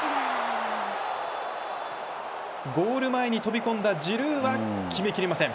ゴール前に飛び込んだジルーは決めきれません。